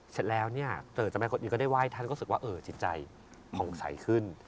เสร็จแล้วเจ้าเจ้าแม่กุญอิมก็ได้ไหว้ท่านก็คิดว่าเออจินใจผ่องใสขึ้น